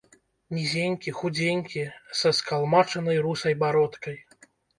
Нізенькі, худзенькі, са скалмачанай русай бародкай.